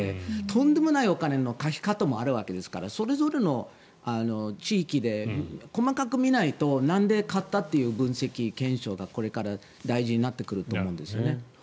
とんでもないお金のかけ方もあるわけですからそれぞれの地域で細かく見ないとなんで勝ったという分析、検証がこれから大事になってくると思うんですよね。